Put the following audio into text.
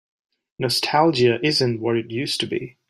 Nostalgia isn't what it used to be.